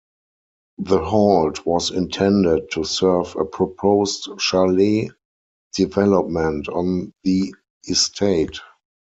The halt was intended to serve a proposed chalet development on the estate.